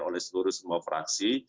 oleh seluruh semua fraksi